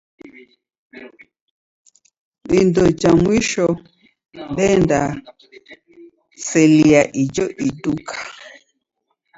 Indo ja mwisho dendaselia ijo iduka.